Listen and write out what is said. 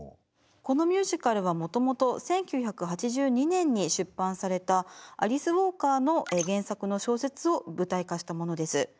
このミュージカルはもともと１９８２年に出版されたアリス・ウォーカーの原作の小説を舞台化したものです。